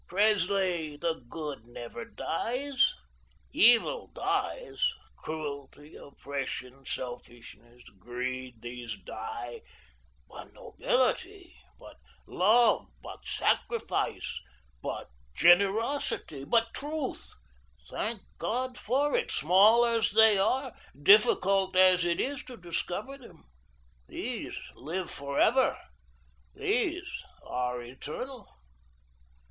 Presley, the good never dies; evil dies, cruelty, oppression, selfishness, greed these die; but nobility, but love, but sacrifice, but generosity, but truth, thank God for it, small as they are, difficult as it is to discover them these live forever, these are eternal.